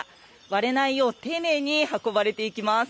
割れないよう、丁寧に運ばれていきます。